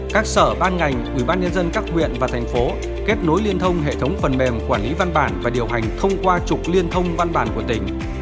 các sở ban ngành ubnd các huyện và thành phố kết nối liên thông hệ thống phần mềm quản lý văn bản và điều hành thông qua trục liên thông văn bản của tỉnh